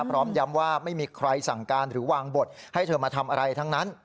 พร้อมย้ำว่าไม่มีใครสั่งการหรือวางบทให้เธอมาทำอะไรทั้งนั้น